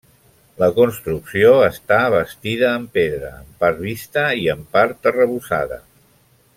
La construcció està bastida en pedra, en part vista i en part arrebossada.